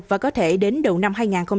và có thể đến đầu năm hai nghìn hai mươi